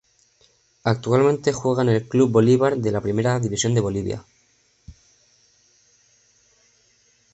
Actualmente juega en el Club Bolívar de la Primera División de Bolivia.